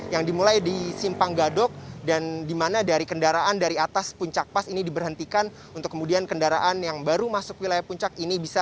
yang dimulai di simpang gadok dan dimana dari kendaraan dari atas puncak pas ini diberhentikan untuk kemudian kendaraan yang baru masuk wilayah puncak ini bisa